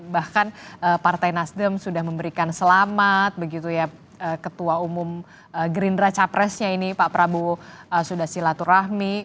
bahkan partai nasdem sudah memberikan selamat begitu ya ketua umum gerindra capresnya ini pak prabowo sudah silaturahmi